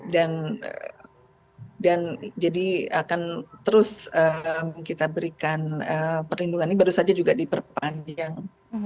dan jadi akan terus kita berikan perlindungan ini baru saja juga diperpanjang